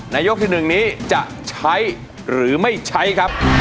ยกที่๑นี้จะใช้หรือไม่ใช้ครับ